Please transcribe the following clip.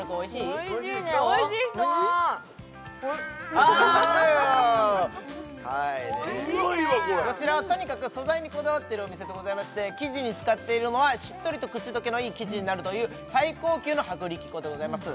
はーいあうまいわこれこちらはとにかく素材にこだわってるお店でございまして生地に使っているのはしっとりと口溶けのいい生地になるという最高級の薄力粉でございます